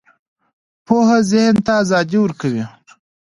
پوهه ذهن ته ازادي ورکوي